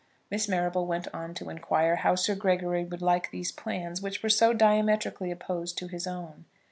Miss Marrable went on to inquire how Sir Gregory would like these plans, which were so diametrically opposed to his own.